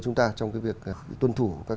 chúng ta trong cái việc tuân thủ các